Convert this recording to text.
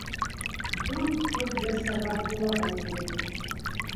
Дүрт күҙ берсә Ғабдуллаға төбәлде.